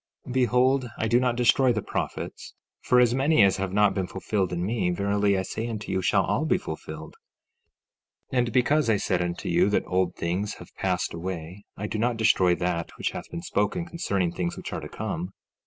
15:6 Behold, I do not destroy the prophets, for as many as have not been fulfilled in me, verily I say unto you, shall all be fulfilled. 15:7 And because I said unto you that old things have passed away, I do not destroy that which hath been spoken concerning things which are to come.